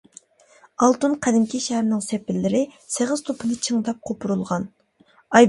ئالتۇن قەدىمكى شەھىرىنىڭ سېپىللىرى سېغىز توپىنى چىڭداپ قوپۇرۇلغان.